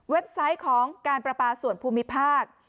ไซต์ของการประปาส่วนภูมิภาค